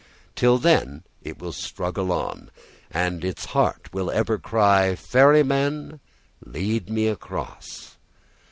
Till then it will struggle on, and its heart will ever cry, "Ferryman, lead me across."